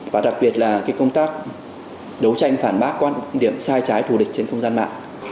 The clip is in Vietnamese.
và đặc biệt là công tác đấu tranh phản bác quan điểm sai trái thù địch trên không gian mạng